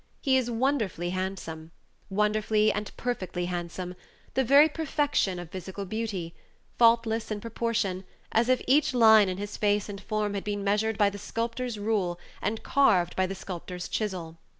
He is wonderfully handsome wonderfully and perfectly handsome the very perfection of physical beauty; faultless in proportion, as if each line in his face and form had been measured by the sculptor's rule, and carved by the sculptor's chisel.